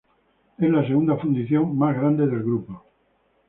Es la segunda fundición más grande del grupo.